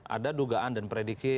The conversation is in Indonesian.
ada dugaan dan prediksi